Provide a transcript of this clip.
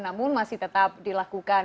namun masih tetap dilakukan